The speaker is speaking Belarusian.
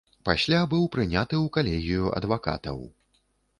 Пасля быў прыняты ў калегію адвакатаў.